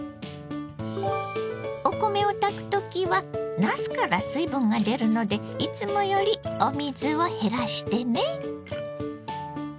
お米を炊く時はなすから水分が出るのでいつもよりお水を減らしてね。